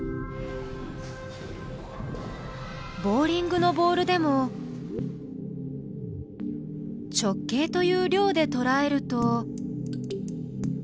ボウリングのボールでも「直径」という「量」でとらえると。